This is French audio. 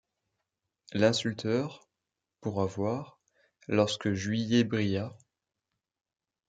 L'insulteur, pour avoir, lorsque juillet brilla